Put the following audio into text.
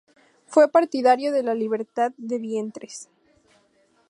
Fue partidario de la libertad de vientres.